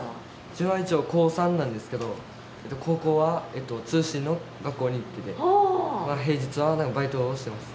自分は一応高３なんですけど高校は通信の学校に行ってて平日はバイトをしてます。